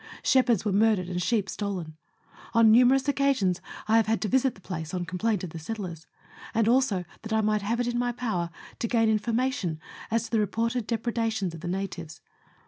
Shepherds were murdered and sheep stolen. On numerous occasions I have had to visit the place, on complaint of the settlers, and also that I might have it in my power to gain information as to the reported depredations of the natives.